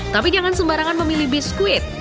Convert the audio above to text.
tapi jangan sembarangan memilih biskuit